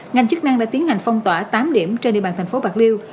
ngành chức năng đã tiến hành phong tỏa tám điểm trên địa bàn thành phố bạc liêu